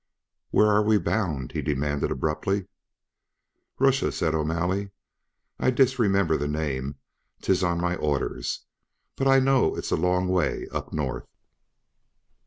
"Where are we bound?" he demanded abruptly. "Rooshia," said O'Malley. "I disremember the name 'tis on my orders but I know it's a long way up north."